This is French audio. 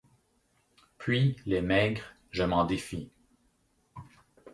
Puis, les maigres, je m’en défie.